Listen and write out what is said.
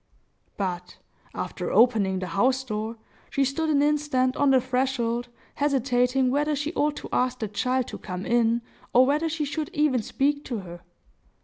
But, after opening the house door, she stood an instant on the threshold, hesitating whether she ought to ask the child to come in, or whether she should even speak to her.